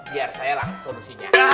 biar saya lah solusinya